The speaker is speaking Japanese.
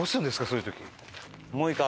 そういう時。